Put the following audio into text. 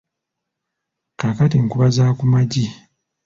Kaakati nkuba za ku magi.